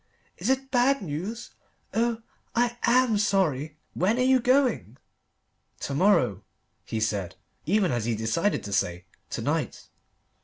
"Is it bad news? Oh I am sorry. When are you going?" "To morrow," he said, even as he decided to say, "to night."